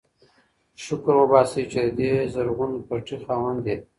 شکر وباسئ چې د دې زرغون پټي خاوندان یئ.